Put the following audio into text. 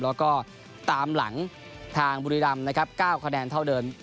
แล้วก็ตามหลังทางบุรีรำนะครับ๙คะแนนเท่าเดิม